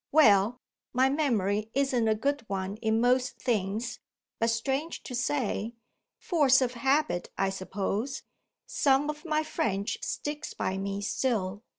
Well, my memory isn't a good one in most things, but strange to say (force of habit, I suppose), some of my French sticks by me still.